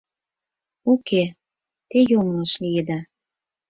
Уке, те йоҥылыш лийыда.